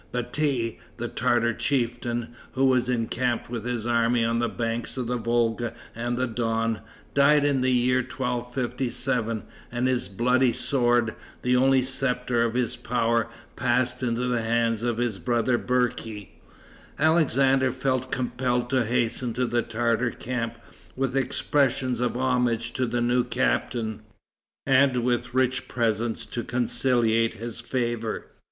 Bati, the Tartar chieftain, who was encamped with his army on the banks of the Volga and the Don, died in the year 1257, and his bloody sword, the only scepter of his power, passed into the hands of his brother Berki. Alexander felt compelled to hasten to the Tartar camp, with expressions of homage to the new captain, and with rich presents to conciliate his favor.